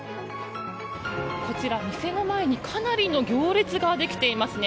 こちら、店の前にかなりの行列ができていますね。